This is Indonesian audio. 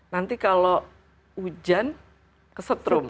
nanti kalau hujan kesetrum